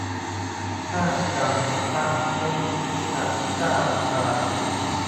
ทาส-กรรม พระ-พุทธ-เจ้า-ข้า